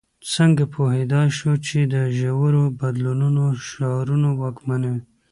څنګه پوهېدای شو چې د ژورو بدلونونو شعارونه واکمنوي.